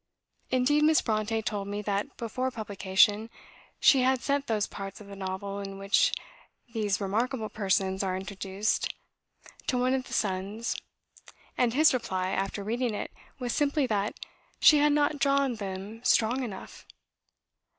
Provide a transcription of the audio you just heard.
Indeed Miss Brontë told me that, before publication, she had sent those parts of the novel in which these remarkable persons are introduced, to one of the sons; and his reply, after reading it, was simply that "she had not drawn them strong enough."